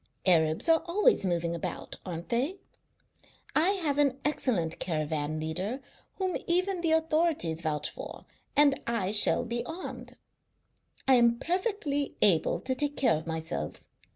Arabs are always moving about, aren't they? I have an excellent caravan leader, whom even the authorities vouch for, and I shall be armed. I am perfectly able to take care of myself.